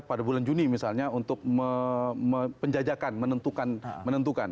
pada bulan juni misalnya untuk penjajakan menentukan